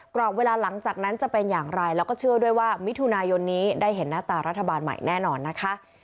กรอบเวลาหลังจากนั้นจะเป็นอย่างไรแล้วก็เชื่อด้วยว่ามิถุนายนนี้ได้เห็นหน้าตารัฐบาลใหม่แน่นอนนะคะ